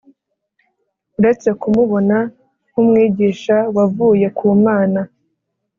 uretse kumubona nk’umwigisha wavuye ku Mana